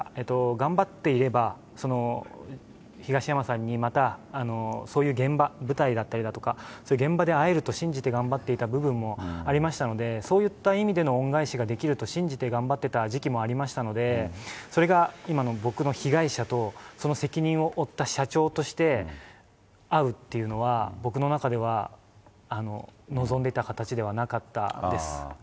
頑張っていれば、東山さんにまたそういう現場、舞台だったりだとか、そういう現場で会えると信じて頑張っていた部分もありましたので、そういった意味での恩返しができると信じて頑張ってた時期もありましたので、それが今の僕の被害者と、その責任を負った社長として会うっていうのは、僕の中では望んでた形ではなかったです。